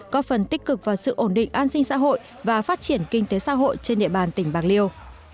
có phần tích cực vào sự ổn định an sinh xã hội và phát triển kinh tế xã hội trên địa bàn tỉnh bạc liêu